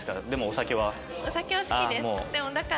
お酒は好きです。